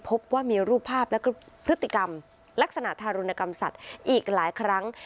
พบว่ามีรูปภาพและพฤติกรรมลักษณะทารุณกรรมสัตว์อีกหลายครั้ง